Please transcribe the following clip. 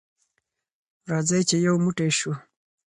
راځئ چې یو موټی شو.